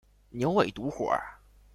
牛尾独活